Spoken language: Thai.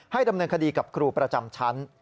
ดำเนินคดีกับครูประจำชั้น